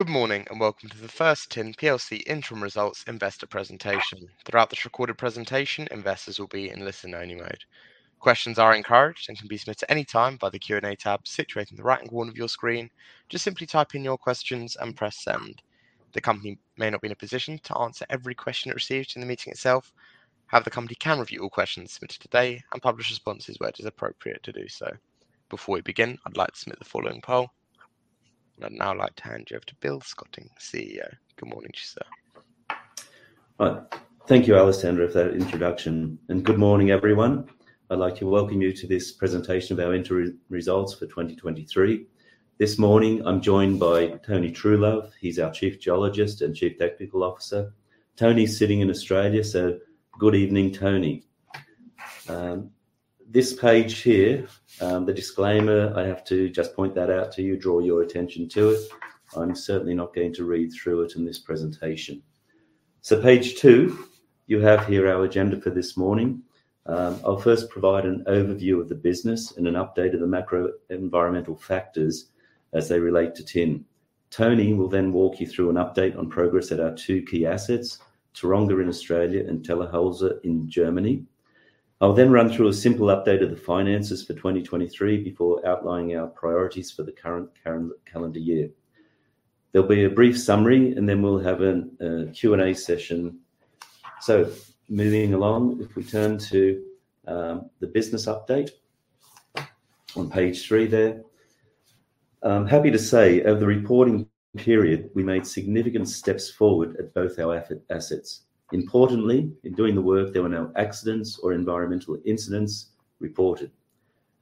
Good morning, and welcome to the First Tin Plc interim results investor presentation. Throughout this recorded presentation, investors will be in listen-only mode. Questions are encouraged and can be submitted at any time by the Q&A tab situated in the right-hand corner of your screen. Just simply type in your questions and press send. The company may not be in a position to answer every question it receives in the meeting itself. However, the company can review all questions submitted today and publish responses where it is appropriate to do so. Before we begin, I'd like to submit the following poll. I'd now like to hand you over to Bill Scotting, CEO. Good morning to you, sir. Right. Thank you, Alessandro, for that introduction. Good morning, everyone. I'd like to welcome you to this presentation of our interim results for 2023. This morning, I'm joined by Tony Truelove. He's our Chief Geologist and Chief Technical Officer. Tony's sitting in Australia. Good evening, Tony. This page here, the disclaimer, I have to just point that out to you, draw your attention to it. I'm certainly not going to read through it in this presentation. Page two, you have here our agenda for this morning. I'll first provide an overview of the business and an update of the macro environmental factors as they relate to tin. Tony will then walk you through an update on progress at our two key assets, Taronga in Australia and Tellerhäuser in Germany. I'll then run through a simple update of the finances for 2023, before outlining our priorities for the current calendar year. There'll be a brief summary and then we'll have a Q&A session. Moving along, if we turn to the business update on page three there. I'm happy to say over the reporting period, we made significant steps forward at both our assets. Importantly, in doing the work, there were no accidents or environmental incidents reported.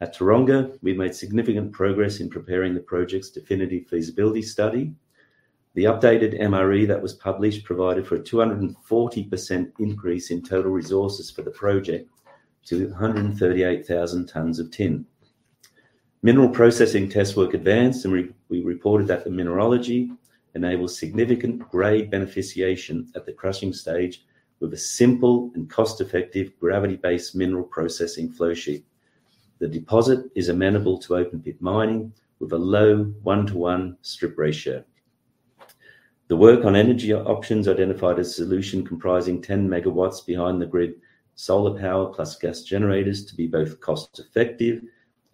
At Taronga, we made significant progress in preparing the project's definitive feasibility study. The updated MRE that was published provided for a 240% increase in total resources for the project to 138,000 tons of tin. Mineral processing test work advanced, and we reported that the mineralogy enables significant grade beneficiation at the crushing stage with a simple and cost-effective gravity-based mineral processing flow sheet. The deposit is amenable to open pit mining with a low one to one strip ratio. The work on energy options identified a solution comprising 10 MW behind the grid, solar power plus gas generators to be both cost-effective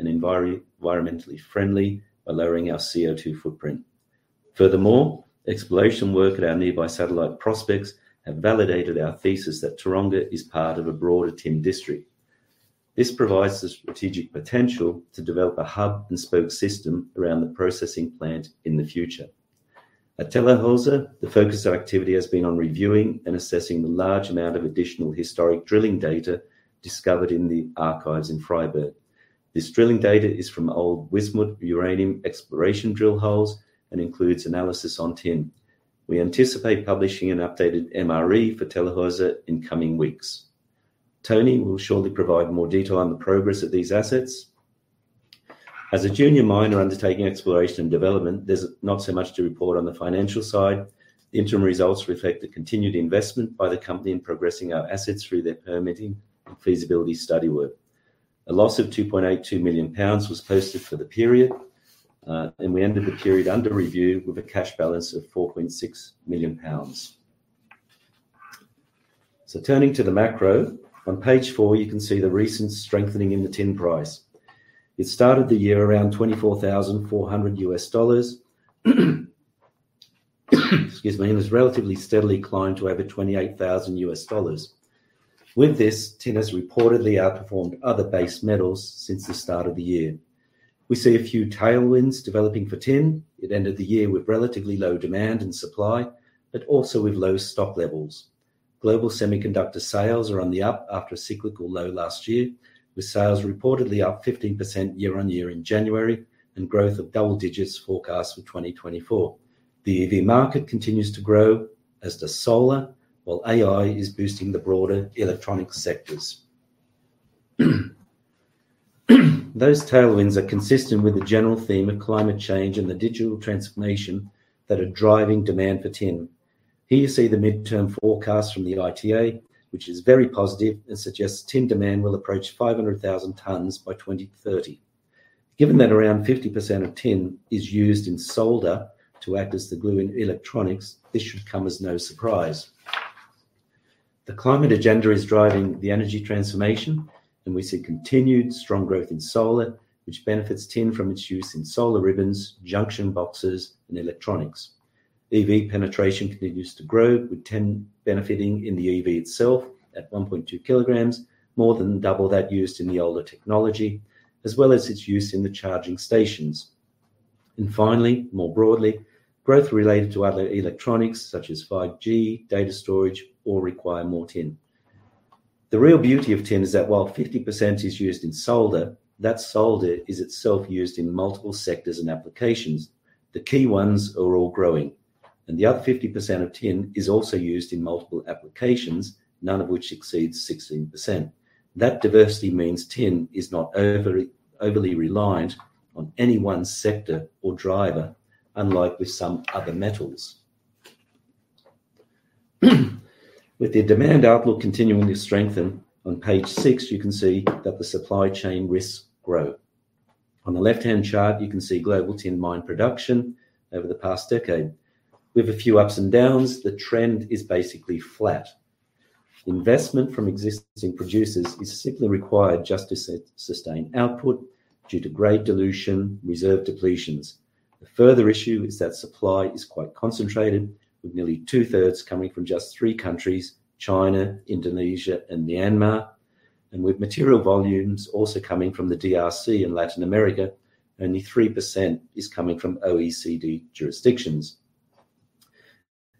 and environmentally friendly by lowering our CO2 footprint. Exploration work at our nearby satellite prospects have validated our thesis that Taronga is part of a broader tin district. This provides the strategic potential to develop a hub-and-spoke system around the processing plant in the future. At Tellerhäuser, the focus of activity has been on reviewing and assessing the large amount of additional historic drilling data discovered in the archives in Freiberg. This drilling data is from old Wismut uranium exploration drill holes, and includes analysis on tin. We anticipate publishing an updated MRE for Tellerhäuser in coming weeks. Tony will shortly provide more detail on the progress of these assets. As a junior miner undertaking exploration and development, there's not so much to report on the financial side. The interim results reflect the continued investment by the company in progressing our assets through their permitting and feasibility study work. A loss of 2.82 million pounds was posted for the period, and we ended the period under review with a cash balance of 4.6 million pounds. Turning to the macro, on page four, you can see the recent strengthening in the tin price. It started the year around $24,400, excuse me, and has relatively steadily climbed to over $28,000. With this, tin has reportedly outperformed other base metals since the start of the year. We see a few tailwinds developing for tin. It ended the year with relatively low demand and supply, but also with low stock levels. Global semiconductor sales are on the up after a cyclical low last year, with sales reportedly up 15% year-over-year in January and growth of double digits forecast for 2024. The EV market continues to grow as does solar, while AI is boosting the broader electronics sectors. Those tailwinds are consistent with the general theme of climate change and the digital transformation, that are driving demand for tin. Here you see the midterm forecast from the ITA, which is very positive and suggests tin demand will approach 500,000 tons by 2030. Given that around 50% of tin, is used in solder to act as the glue in electronics, this should come as no surprise. The climate agenda is driving the energy transformation, and we see continued strong growth in solar, which benefits tin from its use in solar ribbons, junction boxes and electronics. EV penetration continues to grow, with tin benefiting in the EV itself at 1.2 kilograms, more than double that used in the older technology, as well as its use in the charging stations. Finally, more broadly, growth related to other electronics such as 5G, data storage all require more tin. The real beauty of tin is that while 50% is used in solder, that solder is itself used in multiple sectors and applications. The key ones are all growing. The other 50% of tin is also used in multiple applications, none of which exceeds 16%. That diversity means tin is not overly reliant on any one sector or driver, unlike with some other metals. With the demand outlook continuing to strengthen, on page six, you can see that the supply chain risks grow. On the left-hand chart, you can see global tin mine production over the past decade. With a few ups and downs, the trend is basically flat. Investment from existing producers is simply required just to sustain output due to grade dilution, reserve depletions. The further issue is that supply is quite concentrated with nearly two-thirds coming from just three countries, China, Indonesia and Myanmar. With material volumes also coming from the DRC and Latin America, only 3% is coming from OECD jurisdictions.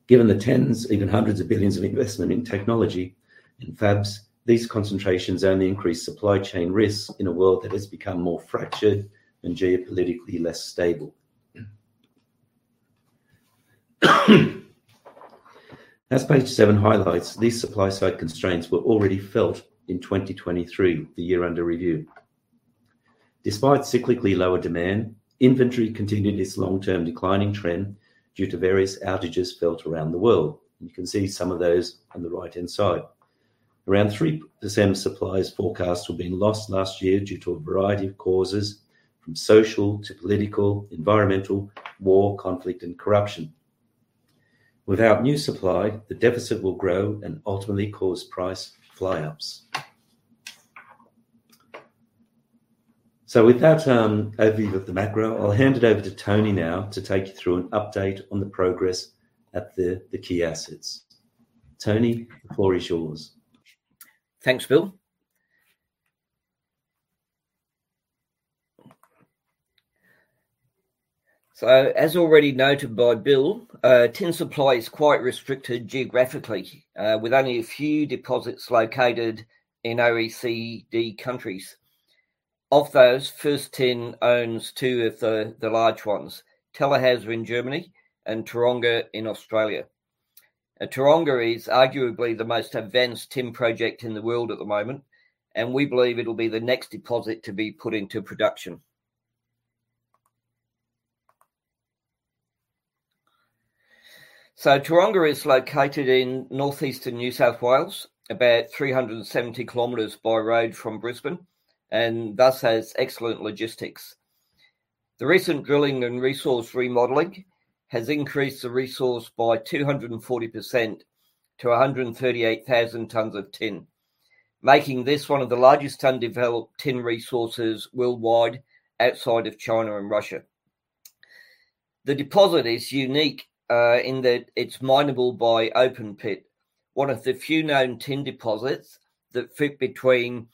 Given the tens, even hundreds of billions of investment in technology and fabs, these concentrations only increase supply chain risks in a world that has become more fractured, and geopolitically less stable. As page seven highlights, these supply side constraints were already felt in 2023, the year under review. Despite cyclically lower demand, inventory continued its long-term declining trend due to various outages felt around the world. You can see some of those on the right-hand side. Around 3% of supplies forecast were being lost last year due to a variety of causes from social to political, environmental, war, conflict and corruption. Without new supply, the deficit will grow and ultimately cause price fly ups. With that, overview of the macro, I'll hand it over to Tony now to take you through an update on the progress at the key assets. Tony, the floor is yours. Thanks, Bill. As already noted by Bill, tin supply is quite restricted geographically, with only a few deposits located in OECD countries. Of those, First Tin owns two of the large ones, Tellerhäuser in Germany and Taronga in Australia. Taronga is arguably the most advanced tin project in the world at the moment, and we believe it'll be the next deposit to be put into production. Taronga is located in northeastern New South Wales, about 370 km by road from Brisbane, and thus has excellent logistics. The recent drilling and resource remodeling, has increased the resource by 240% to 138,000 tonnes of tin, making this one of the largest undeveloped tin resources worldwide outside of China and Russia. The deposit is unique in that it's mineable by open pit. One of the few known tin deposits, that fit between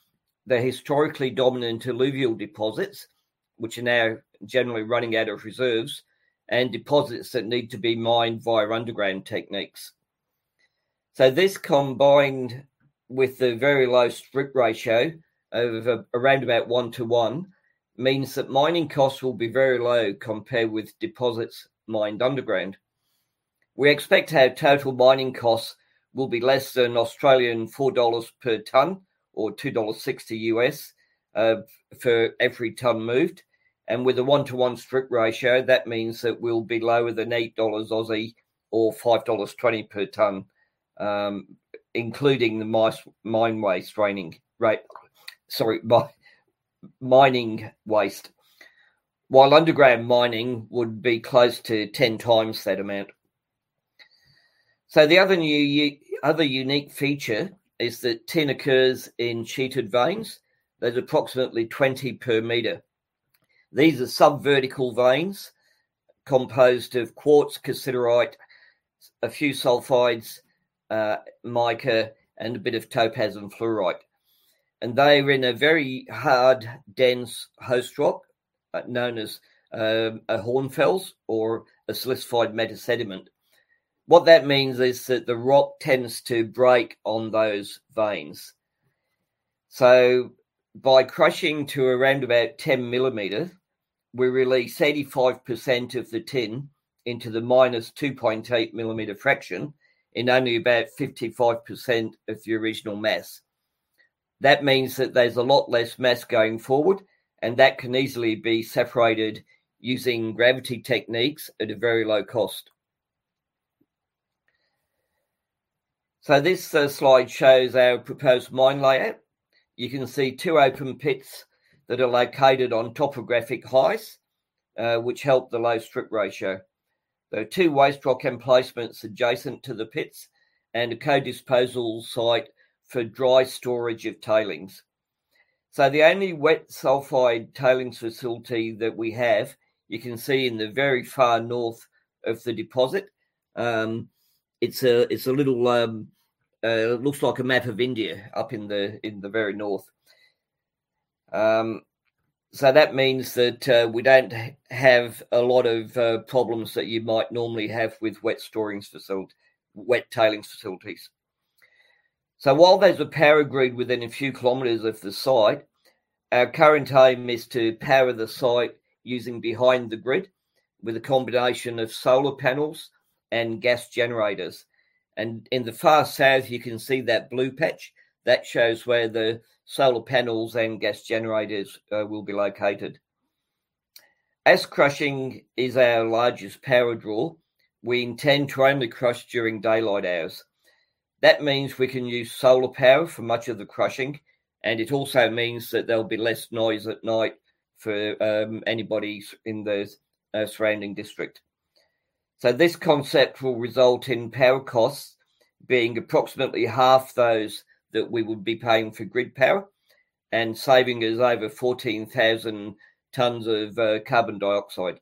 the historically dominant alluvial deposits, which are now generally running out of reserves, and deposits that need to be mined via underground techniques. This, combined with the very low strip ratio of around one to one, means that mining costs will be very low compared with deposits mined underground. We expect our total mining costs will be less than 4 Australian dollars per ton or $2.60 for every tonne moved. With a one to one strip ratio, that means that we'll be lower than 8 Aussie dollars or $5.20 per tonne, including the mining waste. While underground mining would be close to 10 times that amount. The other unique feature is that tin occurs in sheeted veins. There's approximately 20 per meter. These are subvertical veins composed of quartz, cassiterite, a few sulfides, mica, and a bit of topaz and fluorite. They're in a very hard, dense host rock, known as a hornfels or a silicified metasediment. What that means is that the rock tends to break on those veins. By crushing to around about 10 millimeters, we release 85% of the tin into the minus 2.8 millimeter fraction in only about 55% of the original mass. That means that there's a lot less mass going forward, and that can easily be separated using gravity techniques at a very low cost. This slide shows our proposed mine layout. You can see two open pits that are located on topographic highs, which help the low strip ratio. There are two waste rock emplacements adjacent to the pits, and a co-disposal site for dry storage of tailings. The only wet sulfide tailings facility that we have, you can see in the very far north of the deposit. It's a little, looks like a map of India up in the very north. That means that we don't have a lot of problems that you might normally have with wet tailings facilities. While there's a power grid within a few kilometers of the site, our current aim is to power the site using behind the grid with a combination of solar panels and gas generators. In the far south, you can see that blue patch. That shows where the solar panels and gas generators will be located. As crushing is our largest power draw, we intend trying to crush during daylight hours. That means we can use solar power for much of the crushing, and it also means that there'll be less noise at night for anybody in the surrounding district. This concept will result in power costs, being approximately half those that we would be paying for grid power and saving us over 14,000 tonnes of carbon dioxide.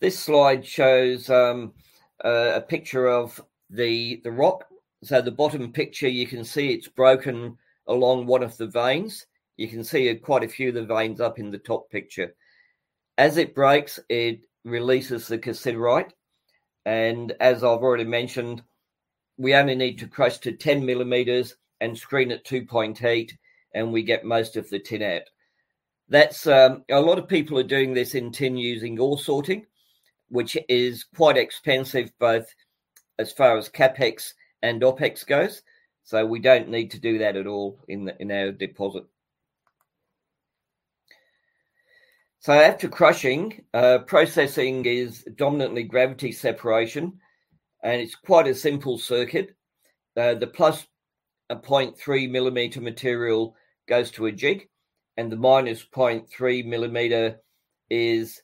This slide shows a picture of the rock. The bottom picture, you can see it's broken along one of the veins. You can see quite a few of the veins up in the top picture. As it breaks, it releases the cassiterite. As I've already mentioned, we only need to crush to 10 mm and screen at 2.8 mm, and we get most of the tin out. That's. A lot of people are doing this in tin using ore sorting, which is quite expensive, both as far as CapEx and OpEx goes. We don't need to do that at all in our deposit. After crushing, processing is dominantly gravity separation, and it's quite a simple circuit. The plus 0.3 mm material goes to a jig, and the minus 0.3 mm is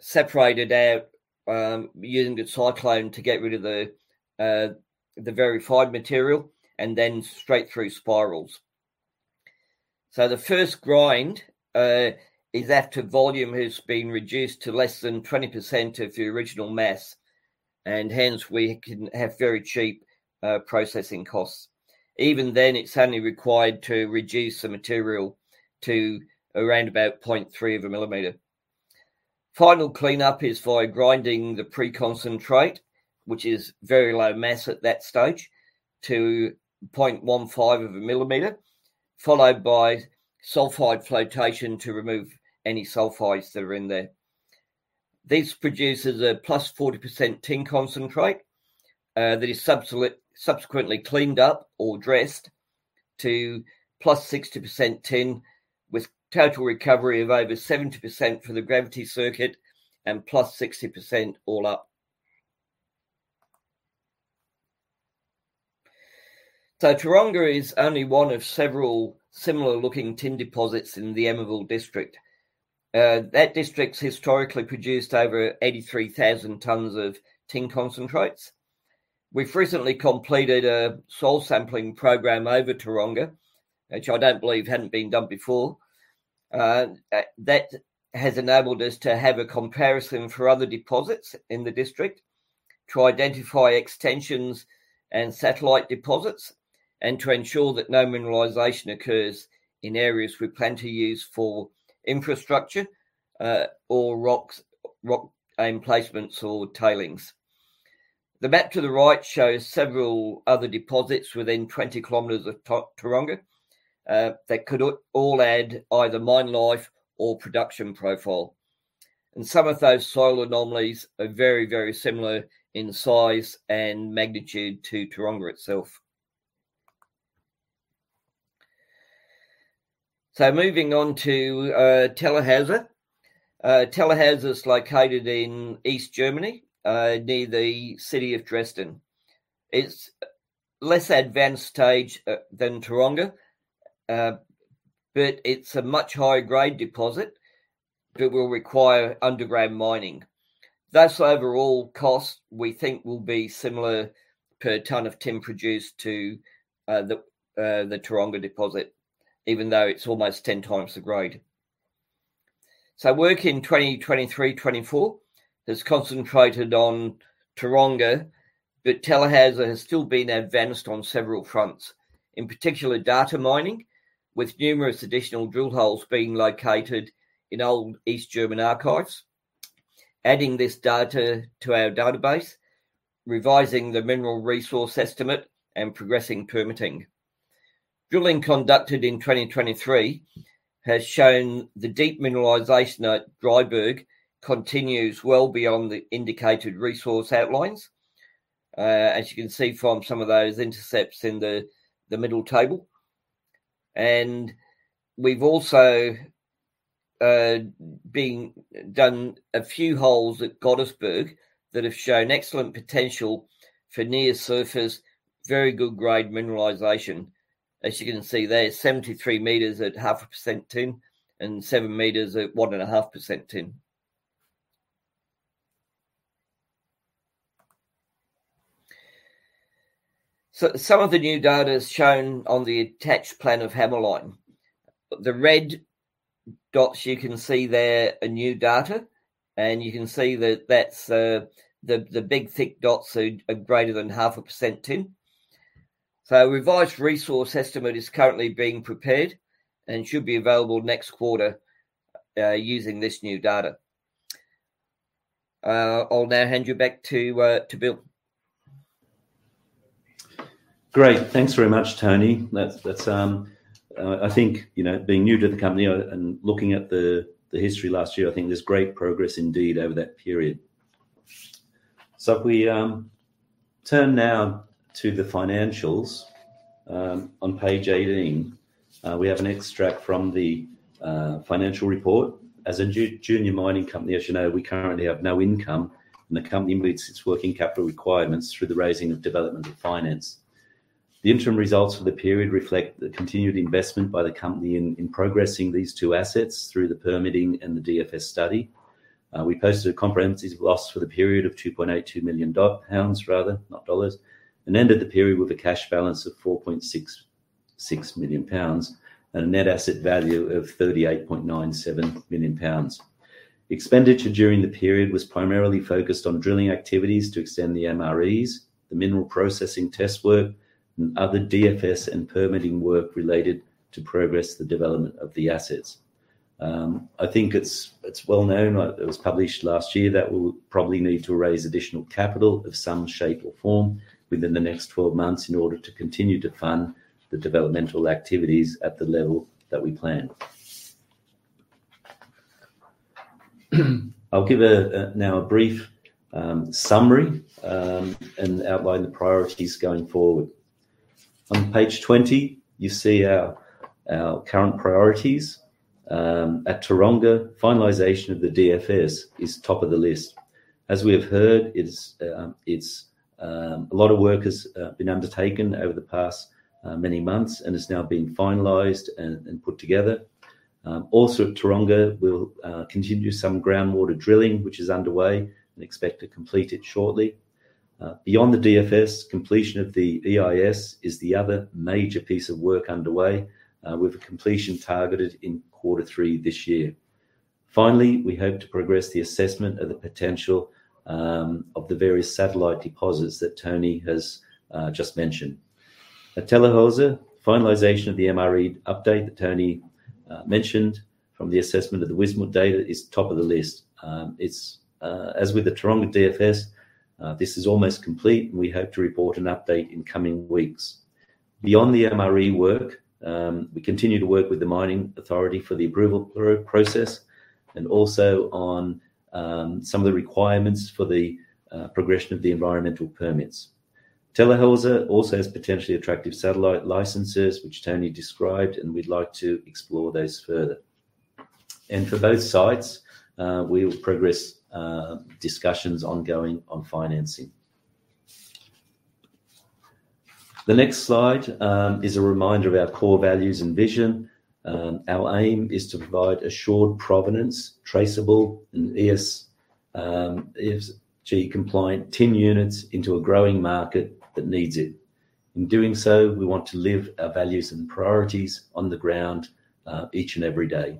separated out, using the cyclone to get rid of the very fine material and then straight through spirals. The first grind is after volume has been reduced to less than 20% of the original mass, and hence we can have very cheap processing costs. Even then, it's only required to reduce the material, to around about 0.3 mm. Final cleanup is via grinding the pre-concentrate, which is very low mass at that stage, to 0.15 mm, followed by sulfide flotation to remove any sulfides that are in there. This produces a +40% tin concentrate, that is subsequently cleaned up or dressed to +60% tin, with total recovery of over 70% for the gravity circuit and +60% all up. Taronga is only one of several similar-looking tin deposits in the Emmaville District. That district's historically produced over 83,000 tonnes of tin concentrates. We've recently completed a soil sampling program over Taronga, which I don't believe hadn't been done before. That has enabled us to have a comparison for other deposits in the district to identify extensions and satellite deposits and to ensure that no mineralization occurs in areas we plan to use for infrastructure, or rock placements or tailings. The map to the right shows several other deposits within 20 kilometers of Taronga, that could all add either mine life or production profile. Some of those soil anomalies are very similar in size and magnitude to Taronga itself. Moving on to Tellerhäuser. Tellerhäuser is located in East Germany, near the city of Dresden. It's less advanced stage than Taronga, but it's a much higher grade deposit that will require underground mining. Thus overall cost, we think, will be similar per tonne of tin produced to the Taronga deposit, even though it's almost 10 times the grade. Work in 2023, 2024 has concentrated on Taronga, but Tellerhäuser has still been advanced on several fronts. In particular, data mining, with numerous additional drill holes being located in old East German archives. Adding this data to our database, revising the mineral resource estimate and progressing permitting. Drilling conducted in 2023, has shown the deep mineralization at Dreiberg continues well beyond the indicated resource outlines, as you can see from some of those intercepts in the middle table. We've also done a few holes at Gottesberg, that have shown excellent potential for near surface, very good grade mineralization. As you can see there, 73 meters at 0.5% tin and seven meters at 1.5% tin. Some of the new data is shown on the attached plan of Hämmerlein. The red dots you can see there are new data, and you can see that that's the big thick dots are greater than 0.5% tin. A revised resource estimate is currently being prepared, and should be available next quarter using this new data. I'll now hand you back to Bill. Great. Thanks very much, Tony. That's, I think, you know, being new to the company and looking at the history last year, I think there's great progress indeed over that period. If we turn now to the financials, on page 18, we have an extract from the financial report. As a junior mining company, as you know, we currently have no income, and the company meets its working capital requirements through the raising of development finance. The interim results for the period reflect the continued investment by the company in progressing these two assets through the permitting and the DFS study. We posted a comprehensive loss for the period of 2.82 million pounds rather, not dollars, and ended the period with a cash balance of 4.66 million pounds and a net asset value of 38.97 million pounds. Expenditure during the period was primarily focused on drilling activities to extend the MREs, the mineral processing test work, and other DFS and permitting work related to progress the development of the assets. I think it's well known, it was published last year that we'll probably need to raise additional capital of some shape or form within the next 12 months in order to continue to fund, the developmental activities at the level that we plan. I'll give now a brief summary and outline the priorities going forward. On page 20, you see our current priorities. At Taronga, finalization of the DFS is top of the list. As we have heard, it's a lot of work has been undertaken over the past many months and is now being finalized and put together. Also at Taronga, we'll continue some groundwater drilling, which is underway and expect to complete it shortly. Beyond the DFS, completion of the EIS is the other major piece of work underway, with a completion targeted in quarter three this year. Finally, we hope to progress the assessment of the potential of the various satellite deposits that Tony has just mentioned. At Tellerhäuser, finalization of the MRE update that Tony mentioned from the assessment of the Wismut data is top of the list. It's as with the Taronga DFS, this is almost complete, and we hope to report an update in coming weeks. Beyond the MRE work, we continue to work with the mining authority for the approval process, and also on some of the requirements for the progression of the environmental permits. Tellerhäuser also has potentially attractive satellite licenses, which Tony described, and we'd like to explore those further. For both sites, we will progress discussions ongoing on financing. The next slide is a reminder of our core values and vision. Our aim is to provide assured provenance, traceable, and ESG compliant tin units into a growing market that needs it. In doing so, we want to live our values and priorities on the ground each and every day.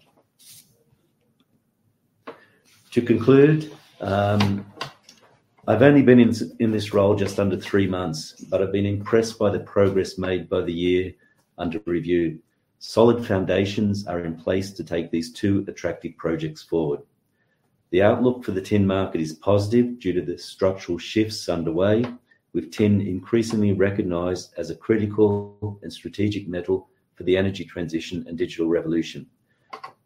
To conclude, I've only been in this role just under three months, but I've been impressed by the progress made by the year under review. Solid foundations are in place to take these two attractive projects forward. The outlook for the tin market is positive due to the structural shifts underway, with tin increasingly recognized as a critical and strategic metal for the energy transition and digital revolution.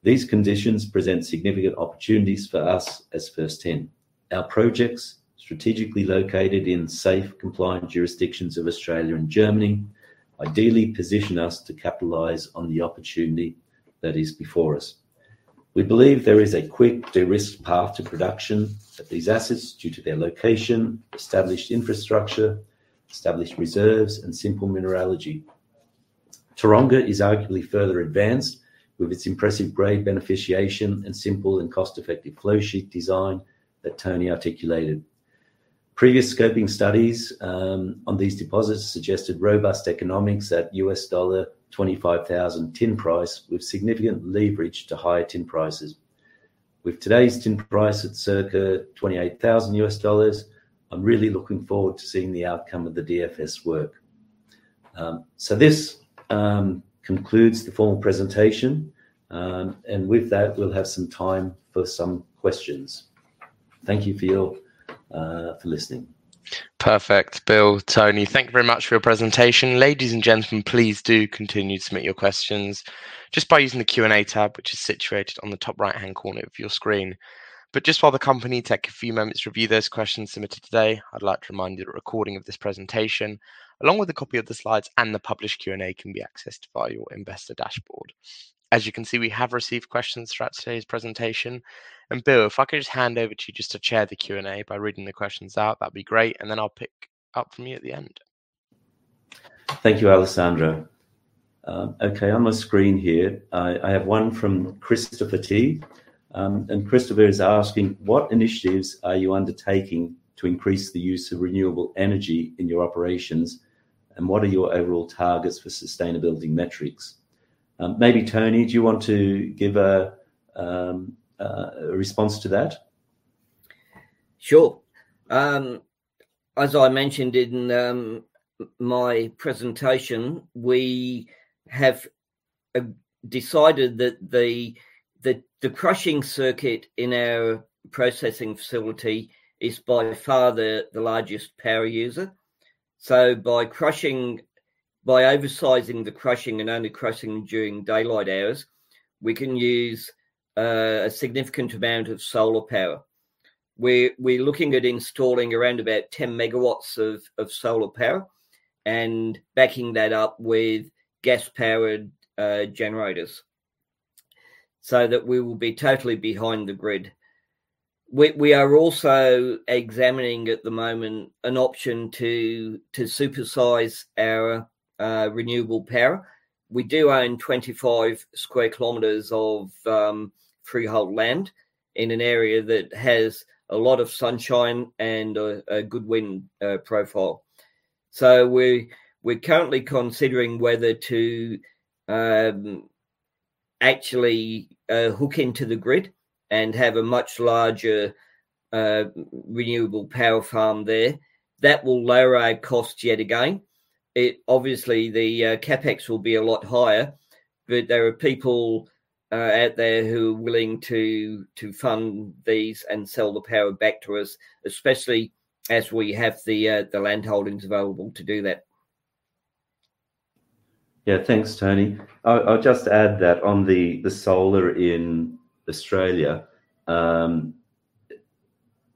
These conditions present significant opportunities for us as First Tin. Our projects, strategically located in safe, compliant jurisdictions of Australia and Germany, ideally position us to capitalize on the opportunity that is before us. We believe there is a quick de-risk path to production of these assets due to their location, established infrastructure, established reserves, and simple mineralogy. Taronga is arguably further advanced, with its impressive grade beneficiation and simple and cost-effective flow sheet design that Tony articulated. Previous scoping studies on these deposits suggested robust economics at $25,000 tin price with significant leverage to higher tin prices. With today's tin price at circa $28,000, I'm really looking forward to seeing the outcome of the DFS work. This concludes the formal presentation. With that, we'll have some time for some questions. Thank you for listening. Perfect. Bill, Tony, thank you very much for your presentation. Ladies and gentlemen, please do continue to submit your questions just by using the Q&A tab, which is situated on the top right-hand corner of your screen. But just while the company take a few moments to review those questions submitted today, I'd like to remind you that a recording of this presentation, along with a copy of the slides and the published Q&A, can be accessed via your investor dashboard. As you can see, we have received questions throughout today's presentation. Bill, if I could just hand over to you just to chair the Q&A by reading the questions out, that'd be great, and then I'll pick up from you at the end. Thank you, Alessandro. Okay. On my screen here, I have one from Christopher T. And Christopher is asking, "What initiatives are you undertaking to increase the use of renewable energy in your operations, and what are your overall targets for sustainability metrics?" Maybe Tony, do you want to give a response to that? Sure. As I mentioned in my presentation, we have decided that the crushing circuit in our processing facility is by far the largest power user. By oversizing the crushing and only crushing during daylight hours, we can use a significant amount of solar power. We're looking at installing around about 10 MW of solar power, and backing that up with gas-powered generators, so that we will be totally behind the grid. We are also examining at the moment an option to supersize our renewable power. We do own 25 sq km of freehold land, in an area that has a lot of sunshine and a good wind profile. We're currently considering whether to actually hook into the grid and have a much larger renewable power farm there. That will lower our costs yet again. Obviously, the CapEx will be a lot higher, but there are people out there who are willing to fund these and sell the power back to us, especially as we have the landholdings available to do that. Yeah. Thanks, Tony. I'll just add that on the solar in Australia,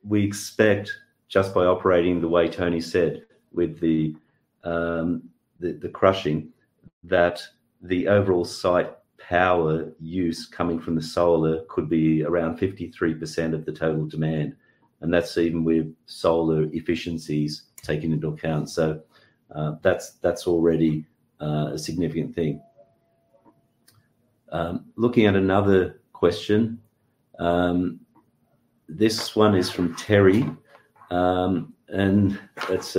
we expect just by operating the way Tony said with the crushing, that the overall site power use coming from the solar could be around 53% of the total demand, and that's even with solar efficiencies taken into account. That's already a significant thing. Looking at another question. This one is from Terry. It's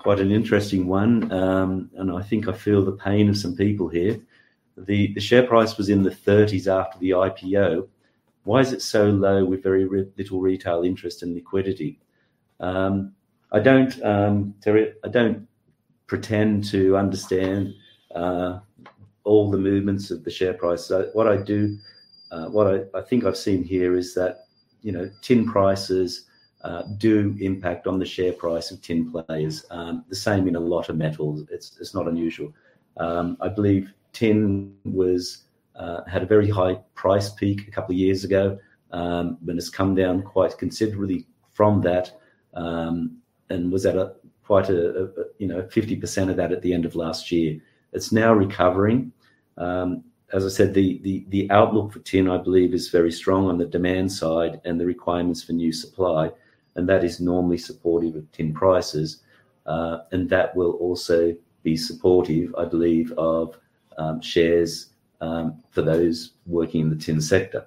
quite an interesting one. I think I feel the pain of some people here. The share price was in the 30s after the IPO. Why is it so low with very little retail interest and liquidity? Terry, I don't pretend to understand all the movements of the share price. What I think I've seen here is that, you know, tin prices do impact on the share price of tin players. The same in a lot of metals. It's not unusual. I believe tin had a very high price peak a couple of years ago, and it's come down quite considerably from that, and was at quite a, you know, 50% of that at the end of last year. It's now recovering. As I said, the outlook for tin, I believe, is very strong on the demand side and the requirements for new supply, and that is normally supportive of tin prices. That will also be supportive, I believe, of shares for those working in the tin sector.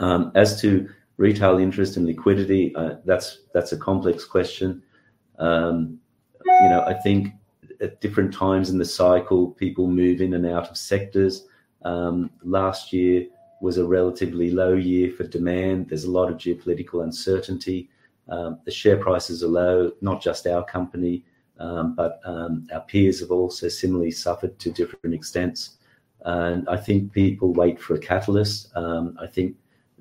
As to retail interest and liquidity, that's a complex question. You know, I think at different times in the cycle, people move in and out of sectors. Last year was a relatively low year for demand. There's a lot of geopolitical uncertainty. The share prices are low, not just our company, but our peers have also similarly suffered to different extents. I think people wait for a catalyst. I think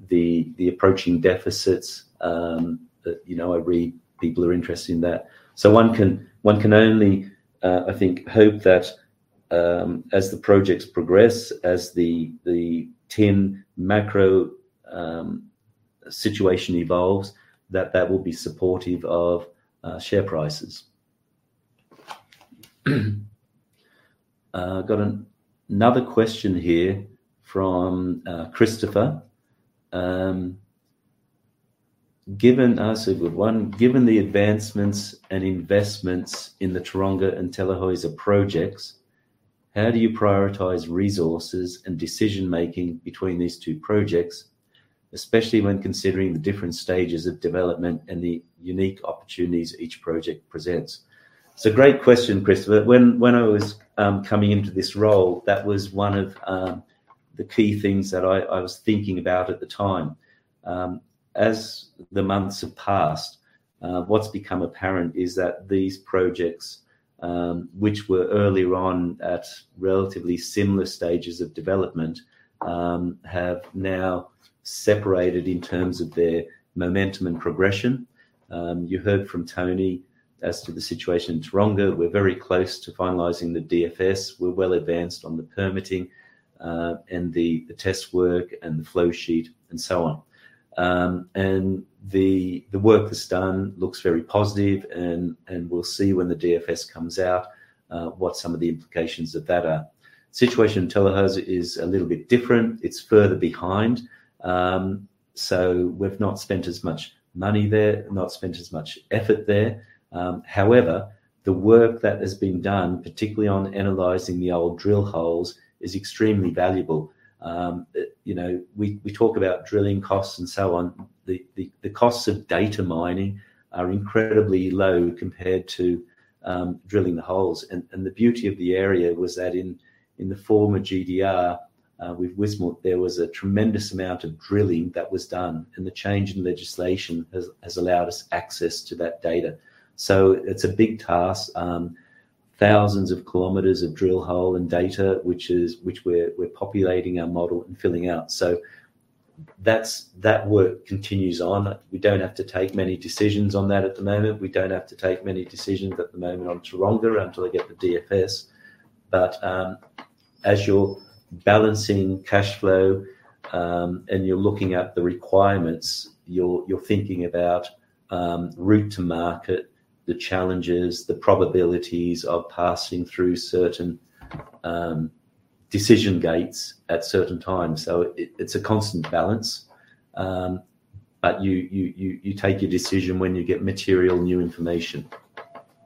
the approaching deficits, you know, I read people are interested in that. One can only, I think, hope that, as the projects progress, as the tin macro situation evolves, that will be supportive of share prices. Got another question here from Christopher. Given. It's a good one. Given the advancements and investments in the Taronga and Tellerhäuser projects, how do you prioritize resources and decision-making between these two projects, especially when considering the different stages of development and the unique opportunities each project presents? It's a great question, Christopher. When I was coming into this role, that was one of the key things that I was thinking about at the time. As the months have passed, what's become apparent is that these projects, which were earlier on at relatively similar stages of development, have now separated in terms of their momentum and progression. You heard from Tony as to the situation in Taronga. We're very close to finalizing the DFS. We're well advanced on the permitting, and the test work and the flow sheet and so on. The work that's done looks very positive and we'll see when the DFS comes out, what some of the implications of that are. Situation in Tellerhäuser is a little bit different. It's further behind. We've not spent as much money there, not spent as much effort there. However, the work that has been done, particularly on analyzing the old drill holes, is extremely valuable. You know, we talk about drilling costs and so on. The costs of data mining, are incredibly low compared to drilling the holes. The beauty of the area was that in the former GDR, with Wismut, there was a tremendous amount of drilling that was done, and the change in legislation has allowed us access to that data. It's a big task. Thousands of kilometers of drill hole and data, which we're populating our model and filling out. That work continues on. We don't have to take many decisions on that at the moment. We don't have to take many decisions at the moment on Taronga until they get the DFS. As you're balancing cash flow, and you're looking at the requirements, you're thinking about route to market, the challenges, the probabilities of passing through certain, decision gates at certain times. It's a constant balance. You take your decision when you get material new information.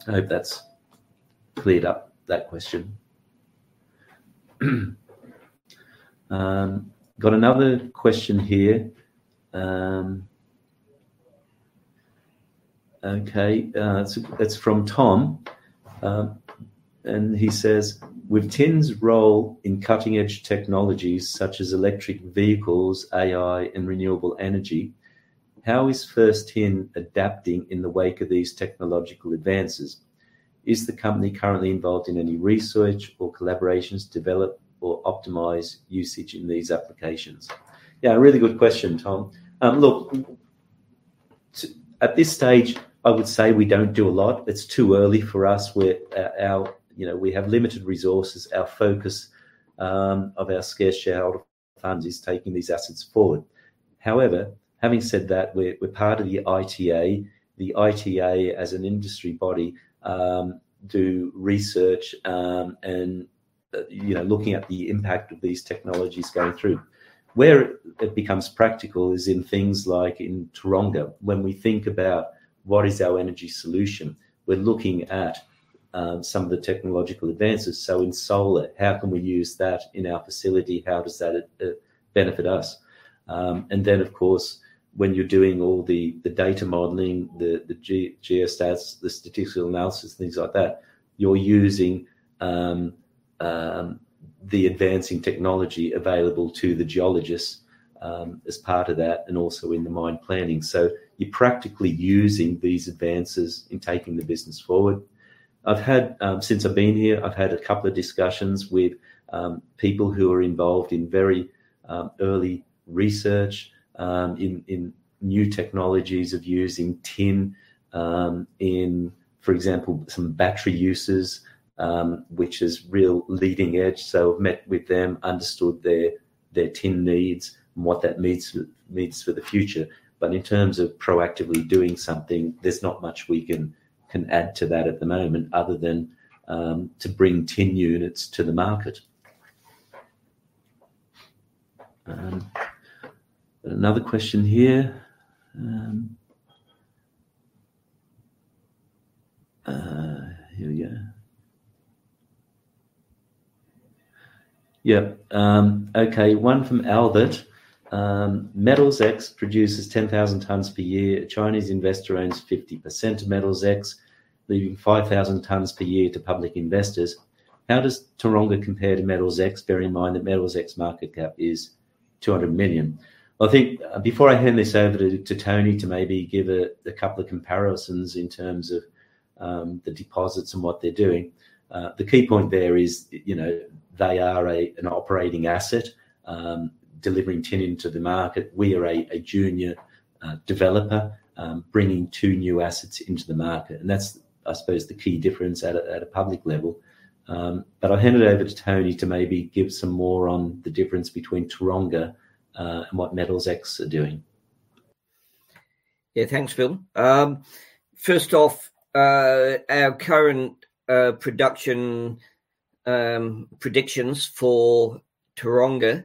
I hope that's cleared up that question. Got another question here. Okay. It's from Tom. And he says, "With tin's role in cutting-edge technologies such as electric vehicles, AI, and renewable energy, how is First Tin adapting in the wake of these technological advances? Is the company currently involved in any research or collaborations to develop or optimize usage in these applications?" Yeah, a really good question, Tom. Look, at this stage, I would say we don't do a lot. It's too early for us. We're. You know, we have limited resources. Our focus of our scarce shareholder funds is taking these assets forward. However, having said that, we're part of the ITA. The ITA as an industry body do research and you know, looking at the impact of these technologies going through. Where it becomes practical is in things like in Taronga. When we think about what is our energy solution, we're looking at some of the technological advances. In solar, how can we use that in our facility? How does that benefit us? Of course, when you're doing all the data modeling, the geostats, the statistical analysis, things like that, you're using the advancing technology available to the geologists, as part of that and also in the mine planning. You're practically using these advances in taking the business forward. Since I've been here, I've had a couple of discussions with people who are involved in very early research in new technologies of using tin, in, for example, some battery uses, which is really leading edge. Met with them, understood their tin needs and what that means for the future. In terms of proactively doing something, there's not much we can add to that at the moment other than to bring tin units to the market. Another question here. One from Albert. "MetalsX produces 10,000 tons per year. A Chinese investor owns 50% of MetalsX, leaving 5,000 tons per year to public investors. How does Taronga compare to MetalsX? Bear in mind that MetalsX market cap is 200 million." I think before I hand this over to Tony to maybe give a couple of comparisons in terms of the deposits and what they're doing, the key point there is, you know, they are an operating asset delivering tin into the market. We are a junior developer bringing two new assets into the market. That's, I suppose, the key difference at a public level. I'll hand it over to Tony to maybe give some more on the difference between Taronga and what MetalsX are doing. Yeah. Thanks, Bill. First off, our current production predictions for Taronga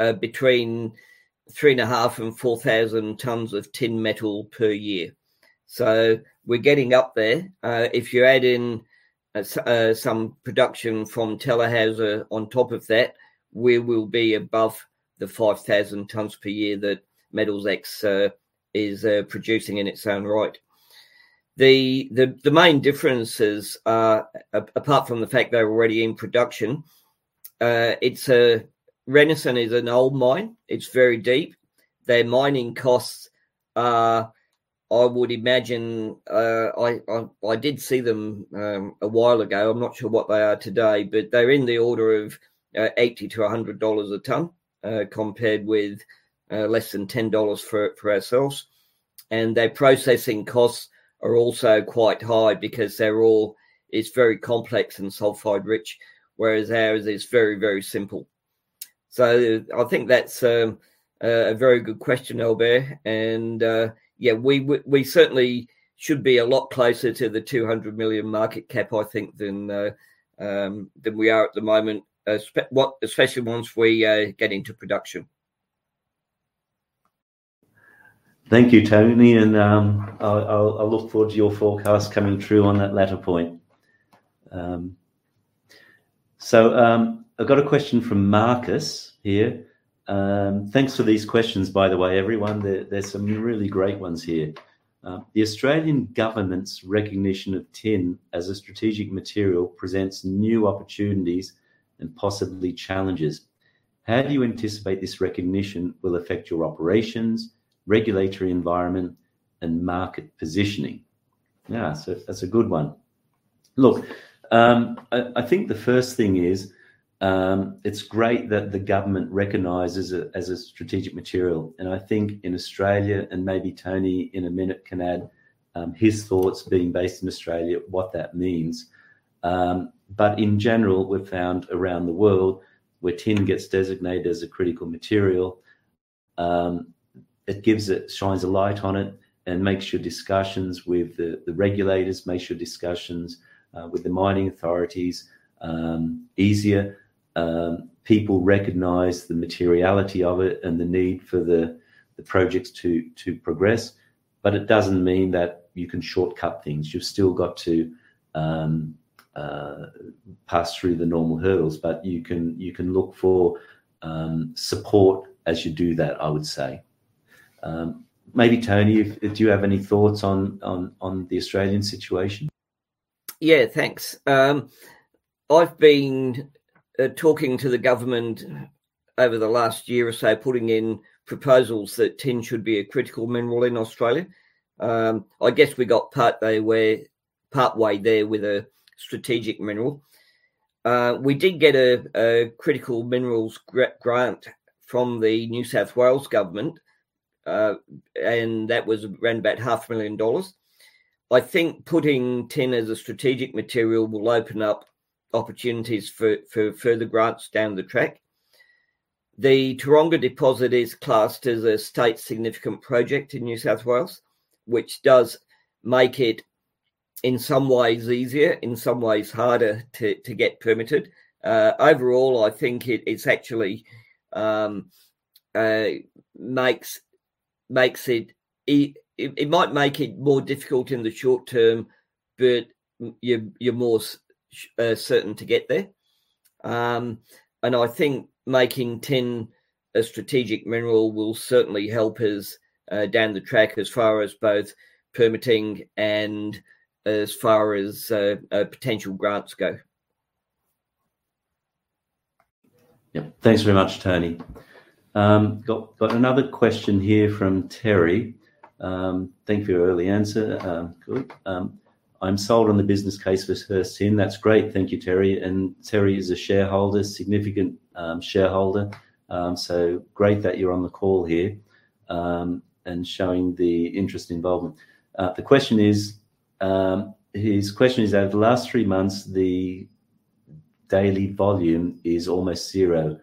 are between 3.5 and 4,000 tons of tin metal per year. We're getting up there. If you add in some production from Tellerhäuser on top of that, we will be above the 5,000 tons per year that MetalsX is producing in its own right. The main differences are, apart from the fact they're already in production, Renison is an old mine. It's very deep. Their mining costs are, I would imagine, I did see them a while ago. I'm not sure what they are today, but they're in the order of 80-100 dollars a ton, compared with less than 10 dollars for ourselves. Their processing costs, are also quite high because it's very complex and sulfide rich, whereas ours is very, very simple. I think that's a very good question, Albert. Yeah, we certainly should be a lot closer to the 200 million market cap, I think, than we are at the moment, especially once we get into production. Thank you, Tony. I'll look forward to your forecast coming through on that latter point. I've got a question from Marcus here. Thanks for these questions, by the way, everyone. There's some really great ones here. "The Australian government's recognition of tin as a strategic material presents new opportunities and possibly challenges. How do you anticipate this recognition will affect your operations, regulatory environment, and market positioning?" Yeah. That's a good one. Look, I think the first thing is, it's great that the government recognizes it as a strategic material. I think in Australia, and maybe Tony in a minute can add, his thoughts being based in Australia what that means. In general, we've found around the world, where tin gets designated as a critical material, it shines a light on it and makes your discussions with the regulators, makes your discussions with the mining authorities easier. People recognize the materiality of it and the need for the projects to progress. It doesn't mean that you can shortcut things. You've still got to pass through the normal hurdles. You can look for support as you do that, I would say. Maybe Tony, if you have any thoughts on the Australian situation. Yeah, thanks. I've been talking to the government over the last year or so, putting in proposals that tin should be a critical mineral in Australia. I guess we got partway there with a strategic mineral. We did get a critical minerals grant from the New South Wales Government, and that was around about AUD half a million. I think putting tin as a strategic material will open up opportunities for further grants down the track. The Taronga deposit is classed as a State Significant Project in New South Wales, which does make it in some ways easier, in some ways harder to get permitted. Overall, I think it's actually makes it. It might make it more difficult in the short term, but you're more certain to get there. I think making tin a strategic mineral will certainly help us down the track as far as both permitting and as far as potential grants go. Yeah. Thanks very much, Tony. Got another question here from Terry. "Thank you for your early answer." Good. "I'm sold on the business case for First Tin." That's great. Thank you, Terry. Terry is a significant shareholder, so great that you're on the call here and showing the interest involvement. The question is, his question is that the last three months, the daily volume is almost zero.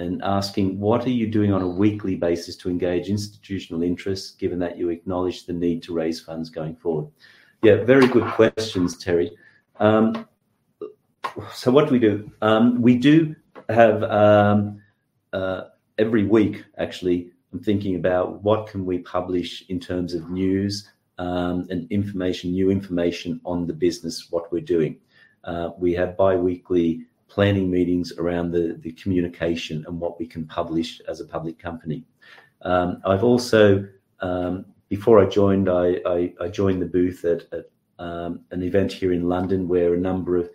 And asking: What are you doing on a weekly basis to engage institutional interests, given that you acknowledge the need to raise funds going forward? Yeah, very good questions, Terry. What do we do? We do have every week, actually, I'm thinking about what we can publish in terms of news and information, new information on the business, what we're doing. We have bi-weekly planning meetings around the communication and what we can publish as a public company. I've also, before I joined, I joined the booth at an event here in London where a number of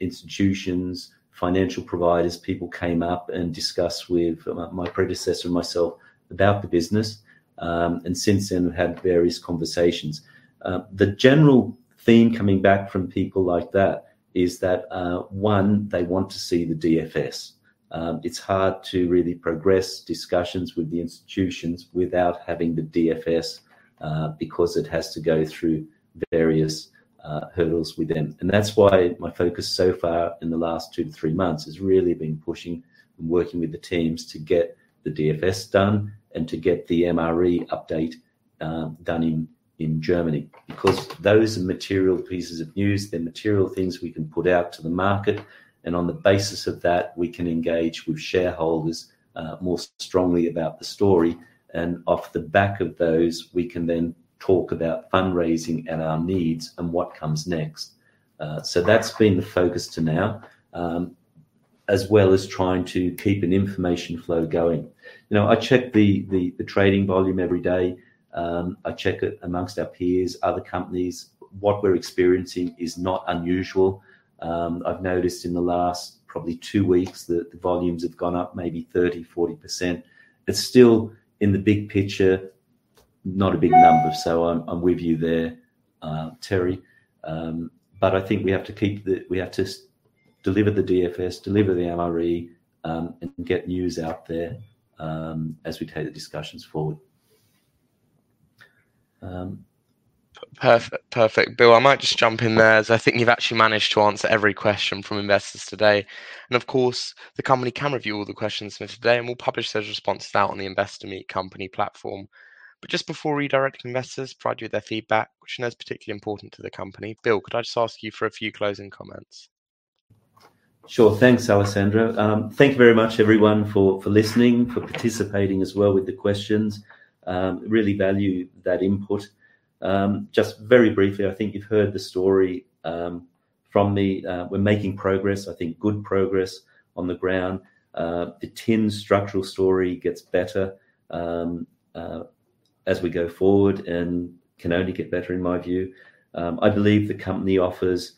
institutions, financial providers, people came up and discussed with my predecessor and myself about the business. I have had various conversations. The general theme coming back from people like that is that one, they want to see the DFS. It's hard to really progress discussions with the institutions without having the DFS because it has to go through various hurdles with them. That's why my focus so far in the last two to three months has really been pushing and working with the teams to get the DFS done and to get the MRE update done in Germany, because those are material pieces of news. They're material things we can put out to the market. On the basis of that, we can engage with shareholders more strongly about the story. Off the back of those, we can then talk about fundraising and our needs and what comes next. That's been the focus till now, as well as trying to keep an information flow going. You know, I check the trading volume every day. I check it amongst our peers, other companies. What we're experiencing is not unusual. I've noticed in the last probably two weeks that the volumes have gone up maybe 30%-40%. Still, in the big picture, not a big number. I'm with you there, Terry. I think we have to deliver the DFS, deliver the MRE, and get news out there, as we take the discussions forward. Perfect. Bill, I might just jump in there as I think you've actually managed to answer every question from investors today. Of course, the company can review all the questions from today, and we'll publish those responses out on the Investor Meet Company platform. Just before redirecting investors, I'll provide you with their feedback, which I know is particularly important to the company. Bill, could I just ask you for a few closing comments? Sure. Thanks, Alessandro. Thank you very much everyone for listening, for participating as well with the questions. Really value that input. Just very briefly, I think you've heard the story from me. We're making progress, I think good progress on the ground. The tin structural story gets better as we go forward and can only get better in my view. I believe the company offers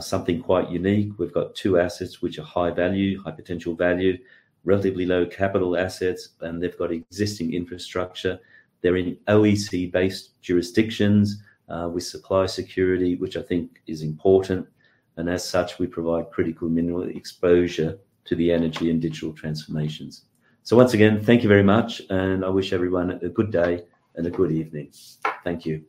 something quite unique. We've got two assets which are high value, high potential value, relatively low capital assets, and they've got existing infrastructure. They're in OECD-based jurisdictions with supply security, which I think is important. As such, we provide critical mineral exposure to the energy and digital transformations. Once again, thank you very much and I wish everyone a good day and a good evening. Thank you.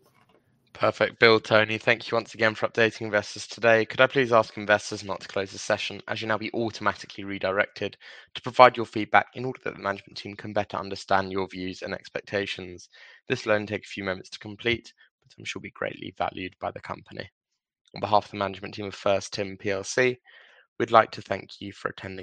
Perfect. Bill, Tony, thank you once again for updating investors today. Could I please ask investors now to close the session, as you'll now be automatically redirected to provide your feedback in order that the management team can better understand your views and expectations. This will only take a few moments to complete, but I'm sure will be greatly valued by the company. On behalf of the management team of First Tin Plc, we'd like to thank you for attending.